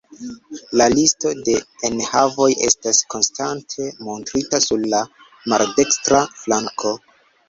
La listo de enhavoj estas konstante montrita sur la maldekstra flanko.